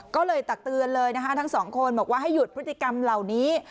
ก็เลยตักเตือนเลยนะคะทั้งสองคนบอกว่าให้หยุดพฤติกรรมเหล่านี้